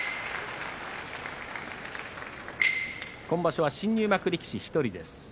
今場所は新入幕力士は１人です。